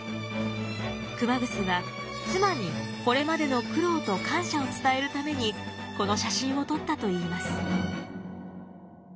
熊楠は妻にこれまでの苦労と感謝を伝えるためにこの写真を撮ったといいます。